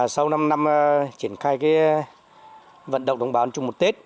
sau năm năm triển khai cái vận động đồng bào ăn trồng một tết